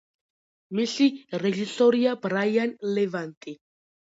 მისი რეჟისორია ბრაიან ლევანტი.